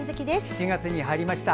７月に入りました。